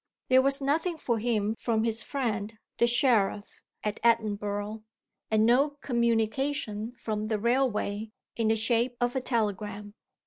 There was nothing for him from his friend, the sheriff, at Edinburgh, and no communication from the railway, in the shape of a telegram.